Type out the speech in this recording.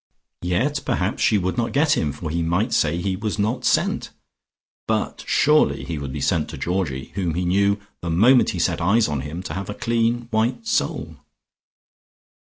Yet perhaps she would not get him, for he might say he was not sent. But surely he would be sent to Georgie, whom he knew, the moment he set eyes on him to have a clean white soul....